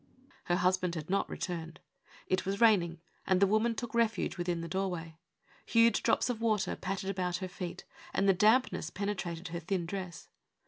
Her husband had not returned. It was raining, and the woman took refuge within the doorway. Huge drops of water pattered about her feet, and the damp ness penetrated her thin dress.